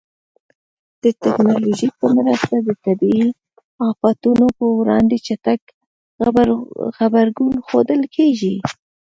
د ټکنالوژۍ په مرسته د طبیعي آفاتونو پر وړاندې چټک غبرګون ښودل کېږي.